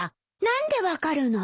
何で分かるの？